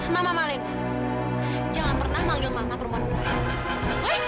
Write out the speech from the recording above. mama malena jangan pernah manggil mama perempuan murahan